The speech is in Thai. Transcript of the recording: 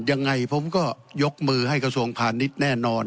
ยังไงผมก็ยกมือให้กระทรวงพาณิชย์แน่นอน